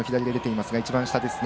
左一番下です。